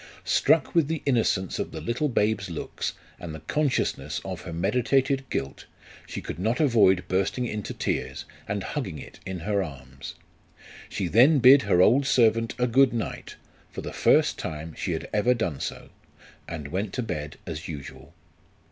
Struck with the innocence of the little babe's looks, and the consciousness of her meditated guilt, she could not avoid bursting into tears and hugging it in her arms ; she then bid her old servant a good night, for the first time she had ever done so, and went to bed as usual.